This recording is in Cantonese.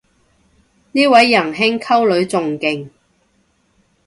呢位人兄溝女仲勁